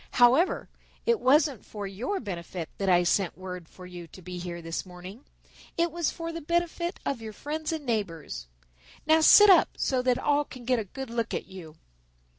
However, it wasn't for your benefit that I sent word for you to be here this morning. It was for the benefit of your friends and neighbors. Now sit up so that all can get a good look at you."